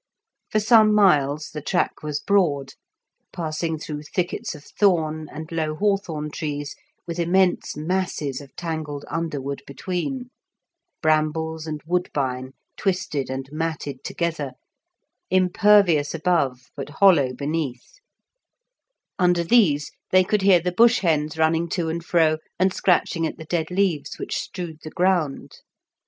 For some miles the track was broad, passing through thickets of thorn and low hawthorn trees with immense masses of tangled underwood between, brambles and woodbine twisted and matted together, impervious above but hollow beneath; under these they could hear the bush hens running to and fro and scratching at the dead leaves which strewed the ground.